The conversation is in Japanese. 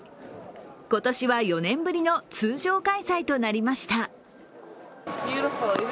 今年は４年ぶりの通常開催となりました。